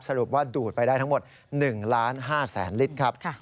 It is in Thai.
สรุปว่าดูดไปได้ทั้งหมด๑๕๐๐๐ลิตรครับ